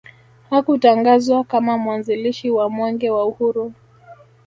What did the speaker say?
Hakutangazwa kama mwanzilishi wa Mwenge wa Uhuru